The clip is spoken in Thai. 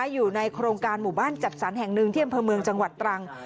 อยู่ในโครงการหมู่บ้านจัดสรรแห่งหนึ่งที่อำเภอเมืองจังหวัดตรัง